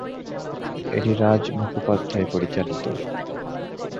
এটি রাজ মুখোপাধ্যায় পরিচালিত।